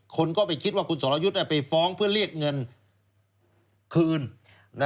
คนก็ไปคิดว่าคุณสรยุทธ์ไปฟ้องเพื่อเรียกเงินคืน